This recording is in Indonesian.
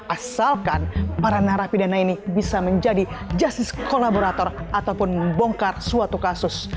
asalkan para narapidana ini bisa menjadi justice kolaborator ataupun membongkar suatu kasus